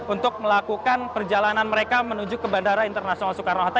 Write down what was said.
untuk melakukan perjalanan mereka menuju ke bandara internasional soekarno hatta